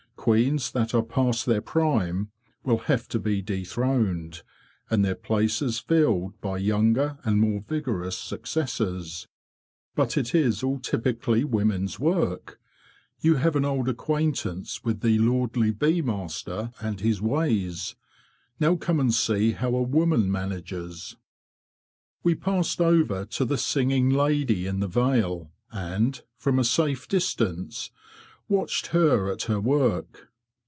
Queens that are past their prime will have to be dethroned, and their places filled by younger and more vigorous successors. But it is all typically women's work. You have an old 40 THE BEE MASTER OF WARRILOW acquaintance with the lordly bee master and _ his ways; now come and see how a woman manages." We passed over to the singing lady in the veil, and—from a safe distance—watched her at her work.